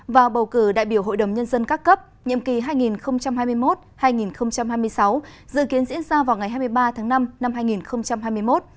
và bầu cử đại biểu hội đồng nhân dân các cấp nhiệm kỳ hai nghìn hai mươi một hai nghìn hai mươi sáu dự kiến diễn ra vào ngày hai mươi ba tháng năm năm hai nghìn hai mươi một